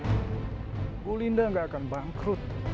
ibu linda gak akan bangkrut